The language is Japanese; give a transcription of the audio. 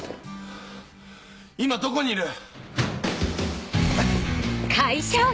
今どこにいる？